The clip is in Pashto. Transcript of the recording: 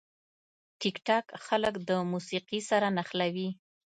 ټیکټاک خلک د موسیقي سره نښلوي.